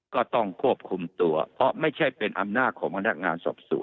ก็ต้องควบคุมตัวเพราะไม่ใช่เป็นอำนาจของพนักงานสอบสวน